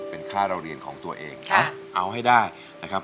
เป็นค่าเราเรียนของตัวเองนะเอาให้ได้นะครับ